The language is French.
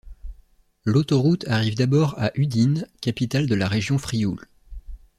L'autoroute arrive d'abord à Udine, capitale de la région Frioul.